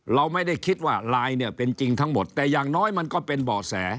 เราไม่ได้คิดว่าไลน์เนี่ยเป็นจริงทั้งหมดแต่อย่างน้อยมันก็เป็นเบาะแส